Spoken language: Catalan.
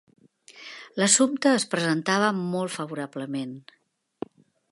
L'assumpte es presentava molt favorablement.